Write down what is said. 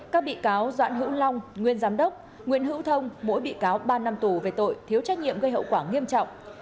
các bị cáo doãn hữu long nguyên giám đốc nguyễn hữu thông mỗi bị cáo ba năm tù về tội thiếu trách nhiệm gây hậu quả nghiêm trọng